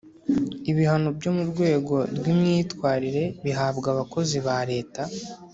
ibihano byo mu rwego rw’imyitwarire bihabwa abakozi ba Leta